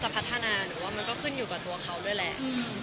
หรือว่ามันก็ขึ้นอยู่กับตัวเขาด้วยแหละ